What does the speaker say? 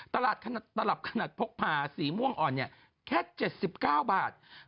ตลับขนาดพกผ่าสีม่วงอ่อนเนี่ยแค่๗๙บาท